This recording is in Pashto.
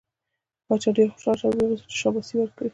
باچا ډېر خوشحاله شو او وغوښت یې چې شاباسی ورکړي.